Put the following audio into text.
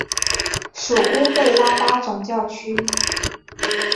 属乌贝拉巴总教区。